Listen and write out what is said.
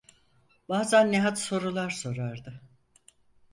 Bazan Nihat sorular sorardı.